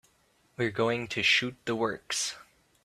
We're going to shoot the works.